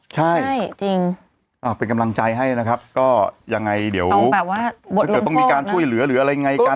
ใช่เป็นกำลังใจให้นะครับก็ยังไงเดี๋ยวต้องมีการช่วยเหลืออะไรไงกัน